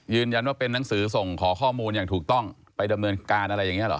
ว่าเป็นนังสือส่งขอข้อมูลอย่างถูกต้องไปดำเนินการอะไรอย่างนี้หรอ